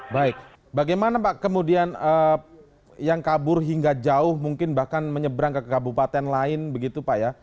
baik bagaimana pak kemudian yang kabur hingga jauh mungkin bahkan menyeberang ke kabupaten lain begitu pak ya